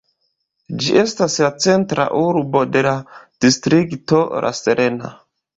Ĝi estas la centra urbo de la distrikto La Serena.